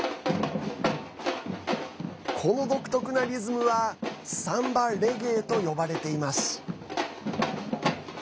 この独特なリズムはサンバレゲエと呼ばれています。